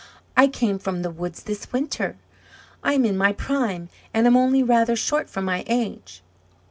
"I came from the woods this winter; I am in my prime, and am only rather short for my age."